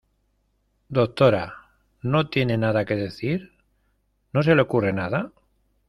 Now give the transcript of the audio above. doctora, ¿ no tiene nada que decir? ¿ no se le ocurre nada ?